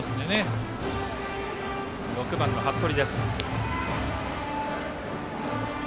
バッターは６番の八鳥。